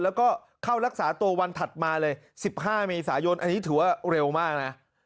แล้วก็เข้ารักษาตัววันถัดมาเลย๑๕เมษายนอันนี้ถือว่าเร็วมากนะ